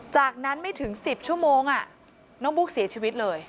จากนั้นไม่ถึง๑๐ชั่วโมงน้องบุ๊กเสียชีวิตเลย